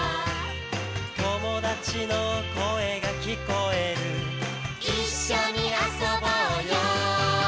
「友達の声が聞こえる」「一緒に遊ぼうよ」